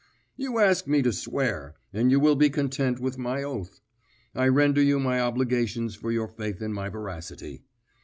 "You ask me to swear, and you will be content with my oath. I render you my obligations for your faith in my veracity.